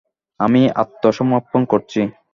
আমি আত্মসমর্পণ করছি।